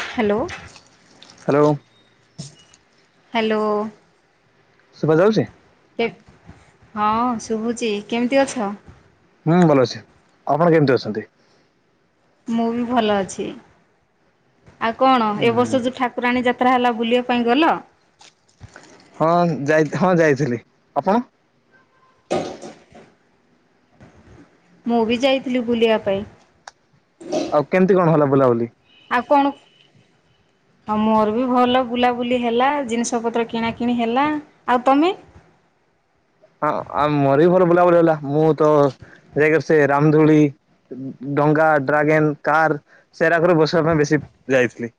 Hello. Hello. Hello. ଶୁଭା ଯାଉଛି। କେ ହଁ ଶୁଭୁଛି କେମିତି ଅଛ। ମୁଁ ଭଲ ଅଛି ଆପଣ କେମିତି ଅଛନ୍ତି। ମୁଁ ବି ଭଲ ଅଛି ଆଉ କଣ ଏ ହୁଁ ବର୍ଷ ଯୋଉ ଠାକୁ ରାଣି ଯାତ୍ରା ହେଲା ବୁଲିବା ପାଇଁ ଗଲ। ହଁ ଯାଇ ହଁ ଯାଇଥିଲି ଆପଣ। ମୁଁ ବି ଯାଇଥିଲି ବୁଲିବା ପାଇଁ। ଆଉ କେମିତି କଣ ହେଲା ବୁଲାବୁଲି। ଆଉ କଣ। ହଁ ମୋର ବି ଭଲ ରେ ବୁଲାବୁଲି ହେଲା ଜିନିଷ ପତ୍ର କିଣା କିିଣି ହେଲା। ଆଉ ତମେ। ହଁ ଆଉ ମୋର ବି ଭଲ ବୁଲାବୁଲି ହେଲା ମୁଁ ତ ଯାଇକି ସେ ରାମ ଦୁଳି। ଡଙ୍ଗା ଡ୍ରାଗେନ କାର୍ ସେରାକରେ ବସିବା ପାଇଁ ବେଶି ଯାଇଥିଲି।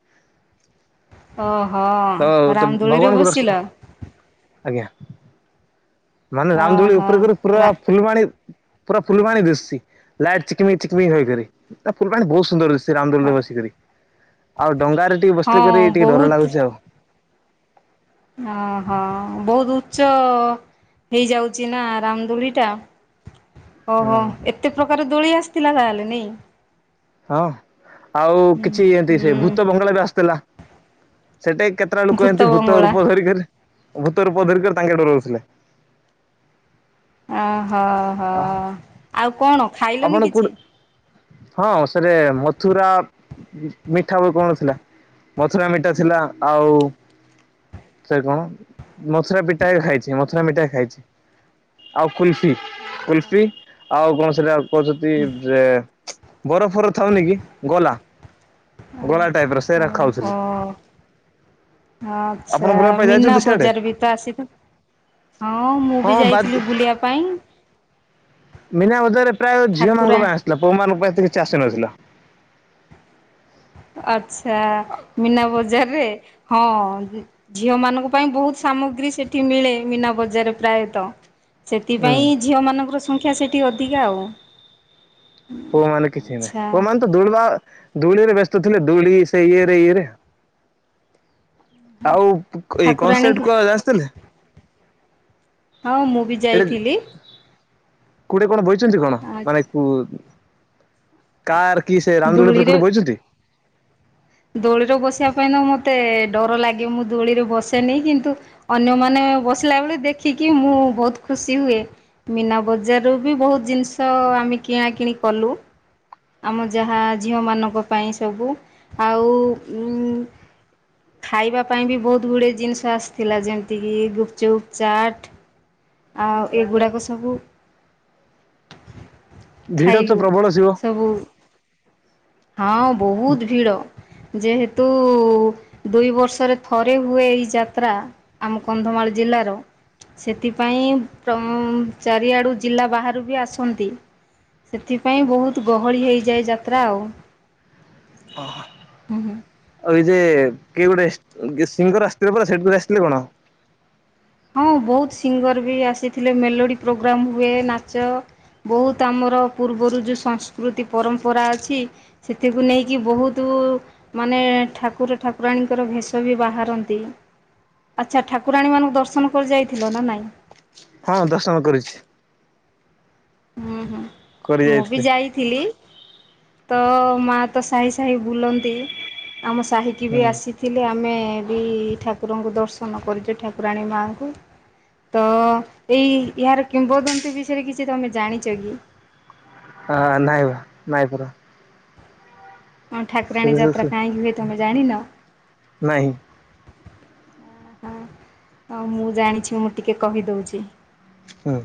ଓହୋ ତ ତ ରାମ ଦୁଳିରେ ଭଗବାନଙ୍କୁ ଦର୍ଶ ବସିଲ। ଆଜ୍ଞା। ମାନେ ରାମ ଦୁଳି ଓହୋ ଉପରେ କରେ ପୁରା ରା ଫୁଲବାଣୀ। ପୁରା ଫୁଲବାଣି ଦିଶୁଛି ଲାଇଟ ଚିକ୍ ମିକ୍ ଚିକ୍ ମିକ୍ ହେଇକରି ତା ଫୁଲବାଣି ବହୁତ ସୁନ୍ଦର ଦିସି ଛି ରାମଦୋଳିରେ ବସିକରି ଆଉ ଡଙ୍ଗାରେ ଟିକେ ହଁ ବସି ଥେ କିରି ଟିକେ ଡର ବହୁତ ଲାଗୁଛି ଆଉ। ଓହୋ ବହୁତ ଉଚ୍ଚ ହେଇଯାଉଛି ନା ରାମଦୁଳି ଟା। ଓହୋ ହୁଁ ଏତେ ପ୍ରକାର ଦୋଳି ଆସିଥିଲା ତାହେଲେ ନେଇ। ହଁ ଆଉ ହୁଁ କିଛି ଏଁତି ସେ ହୁଁ ଭୂତ ବଙ୍ଗଳା ବି ଆସିଥିଲା ସେଟା ବି କେ କେତ ଟା ଲୋକ ଏ‌ଁ ତି ଭୂତ ରୂପ ଧରିିକରି ଭୂତ ରୂପ ଧରିକରି ତାଙ୍କେ ଡରଉଥିଲେ। ଆ ହ ହ ଆଉ କଣ ଆପଣ ଖାଇଲୁନି କୋଉଠି କିଛି। ହଁ ସେଠେ ମଥୁରା ମିଠା ବି କଣ ଥିଲା। ମଥୁରା ମିଠା ଥିଲା ଆଉ ସେ କଣ ମଥୁରା ପିଟାଏ ଖାଇଛି ମଥୁରା ମିଠାଏ ଖାଇଛି। ଆଉ କୁଲଫି କୁଲଫି ଆଉ କଣ ସେଇଟା କଉଚନ୍ତି ଯେ ବରଫର ଥୁଅନି କି ଗଲା। ଗୋଳା ଟାଇପ ର ସେରାକ ଓହୋ ଖାଉଚନ୍ତି। ଆପଣ ଆଚ୍ଛା ବୁଲିବା ପାଇଁ ମିନା ଯାଇଛନ୍ତି ସିଆଡେ? ବଜାରବି ତ ଆସିବ। ହଁ ମୁଁ ବି ହଁ ବାଦ ଯାଇଥିଲି ବୁଲିବା ପାଇଁ। ମିନା ବଜାରେ ପ୍ରାୟ ଝିଅ ଠାକୁରା ମାନଙ୍କ ପାଇଁ ଆସିଥିଲା ପୁଅ ମାନଙ୍କ ପାଇଁ ଏତେ କିଛି ଆସିନଥିଲା। ଆଚ୍ଛା ମୀନା ବଜାରରେ ହଁ। ଝିଅ ମାନଙ୍କ ପାଇଁ ବହୁତ ସାମଗ୍ରୀ ସେଠି ମିଳେ ମୀନା ବଜାରରେ ପ୍ରାୟତଃ। ହୁଁ ସେଥିପାଇଁ ଝିଅ ମାନଙ୍କର ସଂଖ୍ୟା ସେଠି ଅଧିକା ଆଉ। ପୁଅ ମାନେ କିଛି ଆଚ୍ଛା ନାହିଁ ପୁଅ ମାନେ ତ ଦୁଳ୍ବା, ଦୋଳିରେ ବ୍ୟସ୍ତ ଥିଲେ ଦୋଳି ସେ ଇଏରେ ଇଏରେ। ଆଉ ଏଇ କନସେଟ୍ ଠାକୁରାଣୀଙ୍କୁ କଣ ଆସିଥିଲେ? ହଁ ମୁଁ ବି ଯାଇଥିଲି। ଖୁଡି କଣ କଇଛନ୍ତି କଣ ମାନେ କୁ କାର୍ କି ସେ ରାମଦୁଳି ଉପରେ ଧୂଳିରେ କୋଉଠି ବଇଛନ୍ତି? ଦୋଳିରେ ବସିବା ପାଇଁ ତ ମୋତେ ଡର ଲାଗେ ମୁଁ ଦୋଳିରେ ବସେନି କିନ୍ତୁ ଅନ୍ୟମାନେ ବସିଲା ବେଳେ ଦେଖିକି ମୁଁ ବହୁତ ଖୁସି ହୁଏ। ମୀନା ବଜାରରୁ ବି ବହୁତ ଜିନିଷ ଆମେ କିଣାକିଣି କଲୁ। ଆମ ଯାହା ଝିଅମାନଙ୍କ ପାଇଁ ସବୁ ଆଉ ଉଁ ଖାଇବା ପାଇଁ ବି ବହୁତ ଗୁଡ଼ିଏ ଜିନିଷ ଆସିଥିଲା ଯେମିତିକି ଗୁପଚୁପ୍, ଚାଟ୍ ଆଉ ଏଗୁଡ଼ାକ ସବୁ ଭିଡ ତ ଖାଇଲୁ ପ୍ରବଳ ଥିବ ସବୁ। ହଁ ବହୁତ ଭିଡ଼। ଯେହେତୁ ଦୁଇ ବର୍ଷରେ ଥରେ ହୁଏ ଏଇ ଯାତ୍ରା ଆମ କନ୍ଧମାଳ ଜିଲ୍ଲାର ସେଥିପାଇଁ ପ୍ରମ ଚାରିଆଡୁ ଜିଲ୍ଲା ବାହାରୁ ବି ଆସନ୍ତି। ସେଥିପାଇଁ ବହୁତ ଗହଳି ହେଇଯାଏ ଯାତ୍ରା ଆଉ। ଓହୋ ହୁଁ ହୁଁ ଆଉ ଏଇ ଯେ କିଏ ଗୋଟାଏ ବିଶିଙ୍କ ର ଆସିଥିଲେ ପରା ସେଗୁରୁ ଆସିଥିଲେ କଣ? ହଁ ବହୁତ ସିଙ୍ଗର ବି ଆସିଥିଲେ ମେଲୋଡ଼ି ପ୍ରୋଗ୍ରାମ୍ ହୁଏ ନାଚ ବହୁତ ଆମର ପୂର୍ବରୁ ଯେ ସଂସ୍କୃତି ପରମ୍ପରା ଅଛି। ସେଥିକୁ ନେଇକି ବହୁତ ମାନେ ଠାକୁର ଠାକୁରାଣୀଙ୍କର ଭେଷ ବି ବାହାରନ୍ତି। ଆଚ୍ଛା ଠାକୁରାଣୀ ମାନଙ୍କୁ ଦର୍ଶନ କରି ଯାଇଥିଲ ନା ନାଇଁ? ହଁ ଦର୍ଶନ କରିଛି। ହୁଁ ହୁଁ କରି ମୁଁ ବି ଯାଇଥିଲେ ଯାଇ ଥିଲି, ତ ମା ତ ସାହି ସାହି ବୁଲନ୍ତି, ଆମ ସାହି କି ହୁଁ ବି ଆସିଥିଲେ ଆମେ ବି ଠାକୁରଙ୍କୁ ଦର୍ଶନ କରିଛୁ ଠାକୁରାଣୀ ମାଙ୍କୁ। ତ ଏଇ ଏହାର କିମ୍ବଦନ୍ତୀ ବିଷୟରେ କିଛି ତମେ ଜାଣିଛ କି? ହଁ ନାଇଁ ବା ନାଇଁ ପୁର। ଆମ ଠାକୁରାଣୀ ଯାତ୍ରା କାହିଁକି ହୁଏ ତମେ ଜାଣିନ? ନାଇଁ। ଆହା ତ ମୁଁ ଜାଣିଛି ମୁଁ ଟିକେ କହିଦଉଚି ହୁଁ।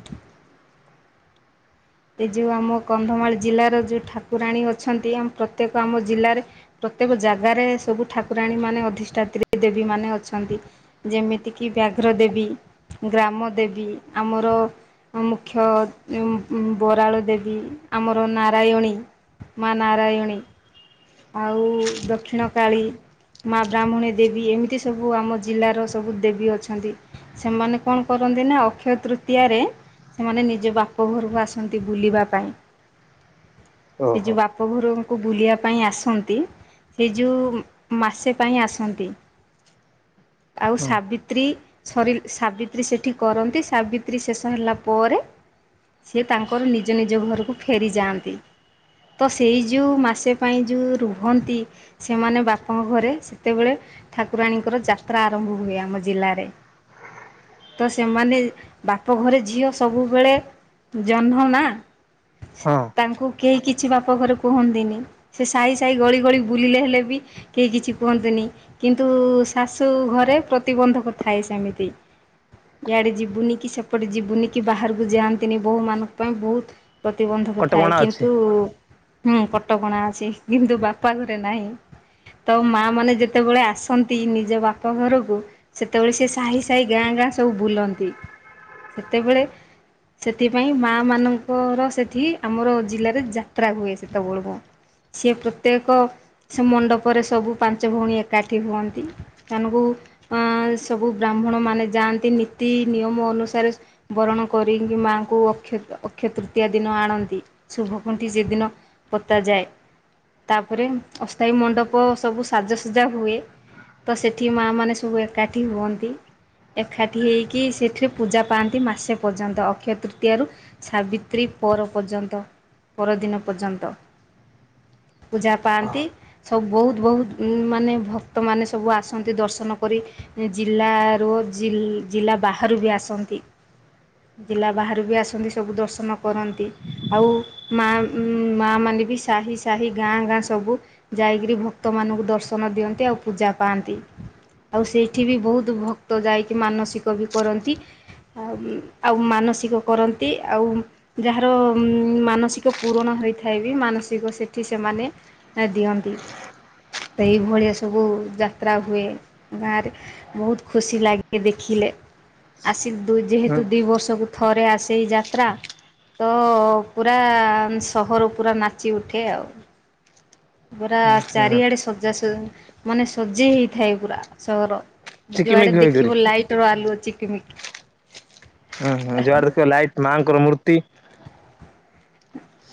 ଏ ଯେଉ ଆମ କନ୍ଧମାଳ ଜିଲ୍ଲାର ଯେଉ ଠାକୁରାଣୀ ଅଛନ୍ତି ଆମ ପ୍ରତ୍ୟେକ ଆମ ଜିଲ୍ଲାରେ ପ୍ରତ୍ୟେକ ଜାଗାରେ ସବୁ ଠାକୁରାଣୀ ମାନେ ଅଧିଷ୍ଠାତ୍ରୀି ଦେବୀ ମାନେ ଅଛନ୍ତି। ଯେମିତି କିି ବ୍ୟାଘ୍ର ଦେବୀ ଗ୍ରାମ ଦେବୀ ଆମର ମୁଖ୍ୟ ଉ ମ୍ ଉଁ ବରାଳ ଦେବୀ ଆମର ନାରାୟଣୀ ମା ନାରାୟଣୀ। ଆଉ ଦକ୍ଷିଣକାଳୀ ମା ବ୍ରାହ୍ମଣୀ ଦେବୀ ଏମିତି ସବୁ ଆମ ଜିଲ୍ଲାର ସବୁ ଦେବୀ ଅଛନ୍ତି। ସେମାନେ କଣ କରନ୍ତି ନା ଅକ୍ଷୟ ତୃତୀୟରେ ସେମାନେ ନିଜ ବାପ ଘରୁ କୁ ଆସନ୍ତି ବୁଲିବା ପାଇଁ। ସେ ଯୋ ଓହୋ ବାପ ଘରୁଙ୍କୁ ବୁଲିଆ ପାଇଁ ଆସନ୍ତି ସେ ଯୋଉ ମାସେ ପାଇଁ ଆସନ୍ତି ଆଉ ହଁ ସାବିତ୍ରୀ ସରି ସାବିତ୍ରୀ ସେଠି କରନ୍ତି ସାବିତ୍ରୀ ଶେଷ ହେଲା ପରେ ସେ ତାଙ୍କର ନିଜ ନିଜ ଘରକୁ ଫେରିଯାଆନ୍ତି। ତ ସେଇ ଯେଉ ମାସେ ପାଇଁ ଯୋଉ ରୁହନ୍ତି ସେମାନେ ବାପ ଘରେ ସେତେବେଳେ ଠାକୁରାଣୀଙ୍କର ଯାତ୍ରା ଆରମ୍ଭ ହୁଏ ଆମ ଜିଲ୍ଲାରେ। ତ ସେମାନେ ବାପଘରେ ଝିଅ ସବୁବେଳେ ଜହ୍ନ ନା ହଁ ତାଙ୍କୁ କେହି କିଛି ବାପ ଘରେ କୁହନ୍ତିନି। ସେ ସାଇ ସାଇ ଗଳି ଗଳି ବୁଲିଲେ ହେଲେ ବି କେହି କିଛି କୁହନ୍ତିୁନି କିନ୍ତୁ ଶାଶୁ ଘରେ ପ୍ରତିବନ୍ଧକ ଥାଏ ସେମିତି। ଇଆଡେ ଯିବୁନି କି ସେପଟେ ଯିବୁନି କି ବାହାରକୁ ଯାନ୍ ତିନି ବୋହୂମାନଙ୍କ ପାଇଁ ବହୁତ୍ ପ୍ରତିବନ୍ଧକ ଥାଏ କଟକଣା ଅଛି। କିନ୍ତୁ ହୁଁ କଟକଣା ଅଛି କିନ୍ତୁ ବାପା ଘରେ ନାହିଁ। ତ ମାଆ ମାନେ ଯେତେବେଳେ ଆସନ୍ତି ନିଜ ବାପ ଘରୁକୁ ସେତେବେଳେ ସେ ସାହି ସାହି ଗାଁ ଗାଁ ସବୁ ବୁଲନ୍ତି ସେତେବେଳେ ସେଥିପାଇଁ ମା ମାନଙ୍କର ସେଠି ଆମର ଜିଲ୍ଲାରେ ଯାତ୍ରା ହୁଏ ସେତବଳକୁ। ସିଏ ପ୍ରତ୍ୟେକ ସେ ମଣ୍ଡପରେ ସବୁ ପାଞ୍ଚ ଭଉଣୀ ଏକାଠି ହୁଅନ୍ତି ସେମାନଙ୍କୁ ଅଁ ସବୁ ବ୍ରାହ୍ମଣମାନେ ଯାଆନ୍ତି ନୀତି ନିୟମ ଅନୁସାରେ ବରଣ କରିଙ୍କି ମାଆଙ୍କୁ ଅକ୍ଷତ୍ ଅକ୍ଷୟ ତୃତୀୟା ଦିନ ଆଣନ୍ତି ଶୁଭକୁଣ୍ଠି ସେଦିନ ପତା ଯାଏ ତାପରେ ଅସ୍ଥାୟୀ ମଣ୍ଡପ ସବୁ ସାଜସଜା ହୁଏ ତ ସେଠି ମାଆ ମାନେ ସବୁ ଏକାଠି ହୁଅନ୍ତି। ଏକାଠି ହୋଇକି ସେଠି ପୂଜା ପାଆନ୍ତି ମାସେ ପର୍ଯ୍ୟନ୍ତ। ଅକ୍ଷୟ ତୃତୀୟାରୁ ସାବିତ୍ରୀ ପର ପର୍ଯ୍ୟନ୍ତ ପରଦିନ ପର୍ଯ୍ୟନ୍ତ। ପୂଜା ପାଆନ୍ତି। ହଁ। ସବୁ ବହୁତ୍ ବହୁତ୍ ମାନେ ଭକ୍ତମାନେ ସବୁ ଆସନ୍ତି ଦର୍ଶନ କରି। ଜିଲ୍ଲା ରୁ ଜି ଜିଲ୍ଲା ବାହାରୁ ବି ଆସନ୍ତି। ଜିଲ୍ଲା ବାହାରୁ ବି ଆସନ୍ତି ସବୁ ଦର୍ଶନ କରନ୍ତି। ଆଉ ମା ମା ମାନେ ବି ସାହି ସାହି ଗାଁ ଗାଁ ସବୁ ଯାଇକିରି ଭକ୍ତ ମାନଙ୍କୁ ଦର୍ଶନ ଦିଅନ୍ତି ଆଉ ପୂଜା ପାଆନ୍ତି। ଆଉ ସେଇଠି ବି ବହୁତ୍ ଭକ୍ତ ଯାଇକି ମାନସିକ ବି କରନ୍ତି ଆଉ ଆଉ ମାନସିକ କରନ୍ତି ଆଉ ଯାହାର ମାନସିକ ପୂରଣ ହୋଇଥାଏ ବି ମାନସିକ ସେଠି ସେମାନେ ଦିଅନ୍ତି ତ ଏଇଭଳିଆ ସବୁ ଯାତ୍ରା ହୁଏ ଗାଁରେ। ବହୁତ ଖୁସି ଲାଗେ ଦେଖିଲେ ଆସ ଦୁଇ ହୁଁ ଯେହେତୁ ଦି ବର୍ଷକୁ ଥରେ ଆସେ ଏଇ ଯାତ୍ରା। ତ ପୁରା ସହର ପୁରା ନାଚି ଉଠେ ଆଉ। ପୁରା ହୁଁ ଚାରିଆଡେ ସଜା ସଜି ମାନେ ସଜେଇ ହେଇଥାଏ ପୁରା ସହର। ଯୁଆଡେ ଚିକିମିକି ହେଇକରି ଦେଖିବ ଲାଇଟ ର ଆଲୁଅ ଚିକିମିକି ହୁଁଁ ହଁ ଯୁଆଡ଼େ ଦେଖିବ ଲାଇଟ୍ ମାଆଙ୍କ ର ମୂର୍ତ୍ତି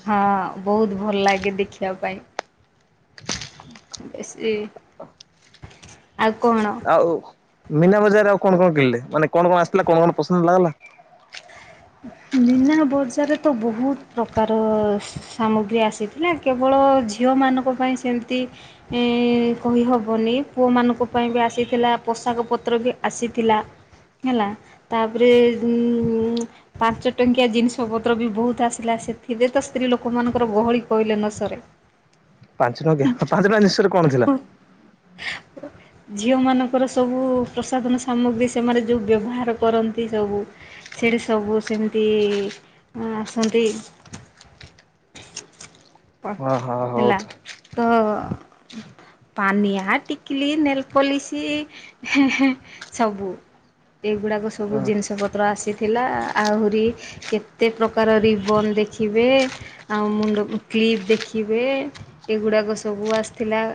ହଁ ବହୁତ ଭଲ ଲାଗେ ଦେଖିବା ପାଇଁ। ଏ ଶ୍ରି ଆଉ କଣ? ଆଉ ମୀନା ବଜାର ଆଉ କଣ କଣ କିଣିଲେ ମାନେ କଣ କଣ ଆସିଲା କଣ କଣ ପସନ୍ଦ ଲାଗିଲା? ମିନା ବଜାରରେ ତ ବହୁତ ପ୍ରକାର ସାମଗ୍ରୀ ଆସିଥା ହେଲା କେବଳ ଝିଅମାନଙ୍କ ପାଇଁ ସେମିତି କହିହେବନି ପୁଅମାନଙ୍କ ପାଇଁ ବି ଆସିଥିଲା ପୋଷାକ ପତ୍ର ବି ଆସିଥିଲା। ହେଲା ତାପରେ ଉଁ ଉଁ ପାଞ୍ଚ ଟଙ୍କିଆ ଜିନିଷପତ୍ର ବି ବହୁତ ଆସିଥିଲା। ସେଥିରେ ତ ସ୍ତ୍ରୀ ଲୋକମାନଙ୍କର ଗହଳି କହିଲେ ନ ସରେ। [inaudible] ପାଞ୍ଚ ଟଙ୍କିଆ। ପାଞ୍ଚ ଟଙ୍କିଆ ଜିନିଷରେ କଣ ଥିଲା? [inaudible] ଝିଅମାନଙ୍କର ସବୁ ପ୍ରସାଧନ ସାମଗ୍ରୀ ସେମାନେ ଯେଉଁ ବ୍ୟବହାର କରନ୍ତି ସବୁ। ସେଇଠି ସବୁ ସେମିତି ଆସନ୍ତି। ପ ହଁ ହଁ ହଉ ହେଲା ତ। ତ ପାନିଆ, ଟିକିଲି, ନେଲପଲିଶି ସବୁ। ଏଗୁଡ଼ାକ ସବୁ ଜିନିଷପତ୍ର ଆସିଥିଲା। ଆହୁରି କେତେ ପ୍ରକାର ରିବନ ଦେଖିବେ। ଆଉ ମୁଣ୍ଡକୁ କ୍ଲିପ୍ ଦେଖିବେ ଏଗୁଡ଼ାକ ସବୁ ଆସିଥିଲା।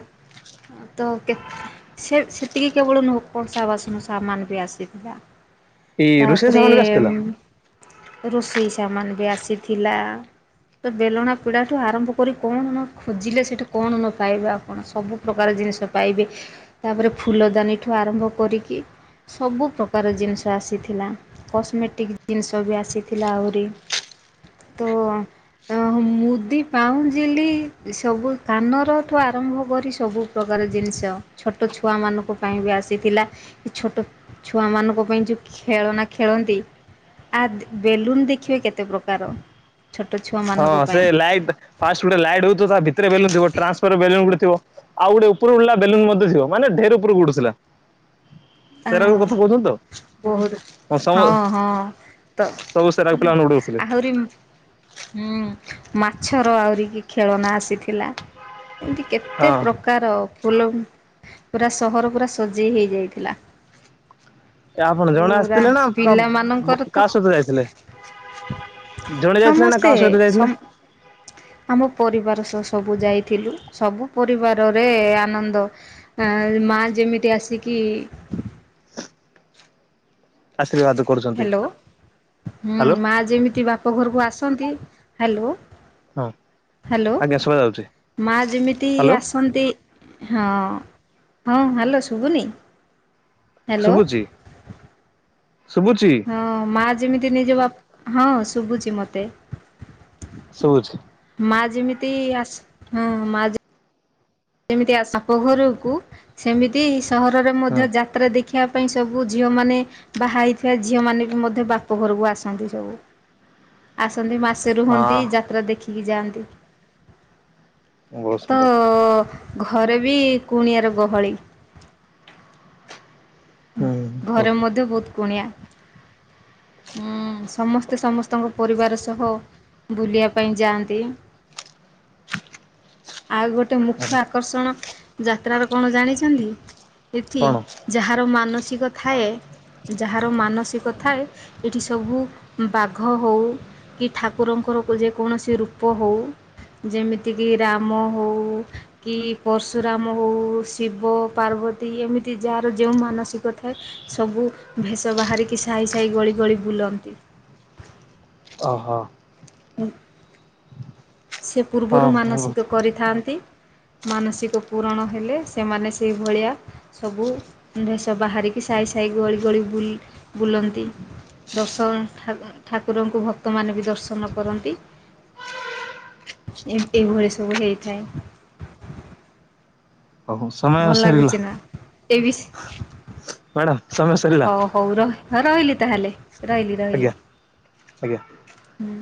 ତ କେତ ସେ ସେତିକି କେବଳ ନୁହଁ କଂସା ବାସନ ସାମାନ ବି ଆସିଥିଲା। ଏଇ ରୋଷେଇ ତାପରେ ସାମାନ ବି ଆସିଥିଲା? ରୋଷେଇ ସାମାନ ବି ଆସିଥିଲା। ତ ବେଲଣା ପିଡା ସେଠୁ ଆରମ୍ଭ କରି କଣ ନ ଖୋଜିଲେ ସେଇଠୁ କଣ ନ ପାଇବେ ଆପଣ ସବୁ ପ୍ରକାର ଜିନିଷ ପାଇବେ। ତାପରେ ଫୁଲଦାନୀଠୁ ଆରମ୍ଭ କରିକି ସବୁ ପ୍ରକାର ଜିନିଷ ଆସିଥିଲା। କସ୍ମେଟିକ ଜିନିଷ ବି ଆସିଥିଲା ଆହୁରି। ତ ମୁଦି ପାଉଁଜିଲି ସବୁ କାନରଠୁ ଆରମ୍ଭ କରି ସବୁ ପ୍ରକାର ଜିନିଷ। ଛୋଟ ଛୁଆମାନଙ୍କ ପାଇଁ ବି ଆସିଥିଲା। କି ଛୋଟ ଛୁଆ ମାନଙ୍କ ପାଇଁ ଯୋଉ ଖେଳ ନା ଖେଳନ୍ତି ଆଦ୍ ବେଲୁନ୍ ଦେଖିବେ କେତେ ପ୍ରକାର ଛୋଟ ଛୁଆ ମା ହଁ ସେ ଲାଇଟ୍ ଫାଷ୍ଟ ଗୋଟେ ଲାଇଟ୍ ହଉଥିବ ତା ଭିତରେ ବେଲୁନ୍ ଥିବ ଟ୍ରାନ୍ସପର ବେଲୁ ଗୋଟେ ଥିବ ଆଉ ଗୋଟେ ଉପର ଉଡିଲା ବେଲୁନ ମଧ୍ୟ ଥିବ ମାନେ ଢେର ଉପରକୁ ଉଡୁଥିଲା ଆ ସେ ରାକ କଥା କହୁଛନ୍ତି ତ ବହୁତ ହଁ ହଁ ତ ସବୁ ସେରାକ ପିଲାମାନେ ଉଡଉଥିଲେ ଆହୁରି ହୁଁ ମାଛର ଆହୁରି କି ଖେଳନା ଆସିଥିଲା ଏମିତି କେତେ ପ୍ରକ୍ ହଁ। ପ୍ରକାର ଫୁଲ ପୁରା ସହର ପୁରା ସଜେଇ ହେଇଯାଇଥିଲା ଏ ଆପଣ ଜଣେ ପୁରା ଆସିଥିଲେ ନା କା ପିଲା ମାନଙ୍କର ତ କାହା ଯାଇଥିଲେ। ଜଣେ ଯାଇଥିଲେ ନା ସମସ୍ତେ କାହା ସହିତ ଯାଇଥିଲେ? ସମ ଆମ ପରିବାର ସହ ସବୁ ଯାଇଥିଲୁ ସବୁ ପରିବାର ରେ ଆନନ୍ଦ ଆ ମା ଯେମିତି ଆସିକି ଆଶୀର୍ବାଦ କରୁଛ ହ୍ୟାଲୋ ହୁଁ ମାଁ ଯେମିତି ବାପ ଘରକୁ ଆସନ୍ତି ହ୍ୟାଲୋ ହଁ ହ୍ୟାଲୋ ଆଜ୍ଞା ଶୁଭା ଯାଉଛି। ମା ଯେମିତି ହ୍ୟାଲୋ ଆସନ୍ତି ହଁ ହଁ ହ୍ୟାଲୋ ଶୁଭୁନି? ହ୍ୟାଲୋ ଶୁଭୁଚି ଶୁଭୁଚି। ହଁ ମା ଯେମିତି ନିଜ ବାପ ହଁ ଶୁଭୁଛି ମୋତେ। ଶୁଭୁଛି। ମା ଯେମିତି ଆସ ହଁ ମା ଯେ ଯେମିତି ଆସ ବାପ ଘରକୁ ସେମିତି ସହର ରେ ହୁଁ ମଧ୍ୟ ଯା ତ୍ରା ଦେଖିବା ପାଇଁ ସବୁ ଝିଅ ମାନେ ବାହା ହେଇଥିବା ଝିଅ ମାନେ ବି ମଧ୍ୟ ବାପ ଘରକୁ ଆସନ୍ତି ସବୁ। ଆସନ୍ତି ମାସେ ରୁହନ୍ତି ହଁ ଯାତ୍ରା ଦେଖିକି ଯାଆନ୍ତି। ବହୁତ ତ ସୁନ୍ଦର। ଘରେ ବି କୁଣିଆ ର ଗହଳି। ହୁଁ ଘରେ ମଧ୍ୟ ବହୁତ କୁଣିଆ। ସମସ୍ତେ ସମସ୍ତଙ୍କ ପରିବାର ସହ ବୁଲିବା ପାଇଁ ଯାଆନ୍ତି। ଆଉ ଗୋଟେ ମୁଖ୍ୟ ଆକର୍ଷଣ ଯାତ୍ରାର କଣ ଜାଣିଛନ୍ତି? ଏଠି କଣ ଯାହାର ମାନସିକ ଥାଏ ଯାହାର ମାନସିକ ଥାଏ ଏଠି ସବୁ ବାଘ ହଉ କି ଠାକୁରଙ୍କର ଯେକୌଣସି ରୂପ ହଉ ଯେମିତି କିି ରାମ ହଉ କି ପଶୁରାମ ହଉ ଶିବ ପାର୍ବତୀ ଏମିତି ଯାହାର ଯେଉଁ ମାନସିକ ଥାଏ ସବୁ ଭେଷ ବାହାରିକି ସହି ସହି ଗଳି ଗଳି ବୁଲନ୍ତି। ଓହୋ। ସେ ପୂର୍ବରୁ ହଁ ବହୁତ ମାନସିକ କରିଥାନ୍ତି। ମାନସିକ ପୁରଣ ହେଲେ ସେମାନେ ସେଇ ଭଳିଆ ସବୁ ଭେଷ ବାହାରିକି ସାଇ ସାଇ ଗଳି ଗଳି ବୁଲନ୍ତି। ଦର୍ଶନ ଠାକୁରଙ୍କୁ ଭକ୍ତ ମାନେ ବି ଦର୍ଶନ କରନ୍ତି। ଏମିତି ଏଇ ଭଳି ସବୁ ହେଇଥାଏ। ରହୁଛି [unintelligible] ଭଲ ଲାଗୁଛି ନା ଏ ବି ମାଡାମ୍ ସମୟ ସରିଲା। ହଉ ହଉ ର ରହିଳି ତାହେଲେ ରହିଲି ରହିଲି। ହ୍ୟାଲେ। ହୁଁ।